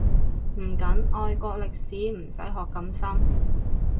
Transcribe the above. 唔緊，外國歷史唔使學咁深